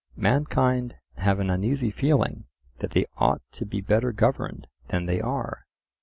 Mankind have an uneasy feeling that they ought to be better governed than they are.